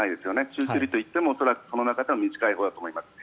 中距離といってもその中では短いほうだと思います。